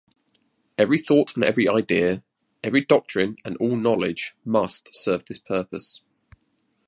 Every thought and every idea, every doctrine and all knowledge, must serve this purpose.